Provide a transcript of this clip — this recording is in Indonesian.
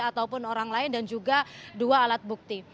ataupun orang lain dan juga dua alat bukti